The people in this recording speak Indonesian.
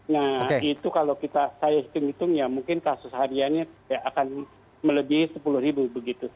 nah itu kalau kita saya hitung hitung ya mungkin kasus hariannya akan melebihi sepuluh ribu begitu